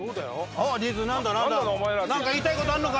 何か言いたいことあるのか？